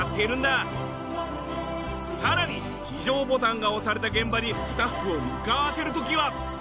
さらに非常ボタンが押された現場にスタッフを向かわせる時は。